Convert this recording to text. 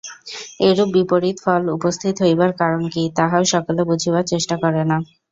এরূপ বিপরীত ফল উপস্থিত হইবার কারণ কি, তাহাও সকলে বুঝিবার চেষ্টা করে না।